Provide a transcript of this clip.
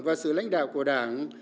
và sự lãnh đạo của đảng